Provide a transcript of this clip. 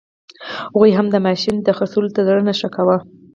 هغوی هم د ماشین پېرلو ته زړه نه ښه کاوه.